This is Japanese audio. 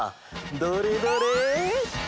どれどれ？